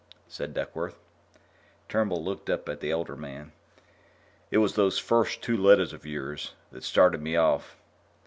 said Duckworth. Turnbull looked up at the older man. "It was those first two letters of yours that started me off."